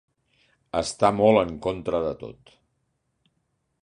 Està molt en contra de tot.